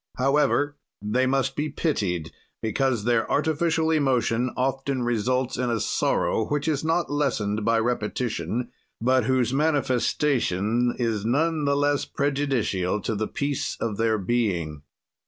"However they must be pitied because their artificial emotion often results in a sorrow which is not lessened by repetition, but whose manifestation is none the less prejudicial to the peace of their being.